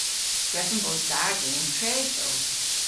Drefen bos da genev trethow.